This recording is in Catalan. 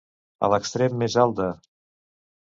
A l'extrem més alt de.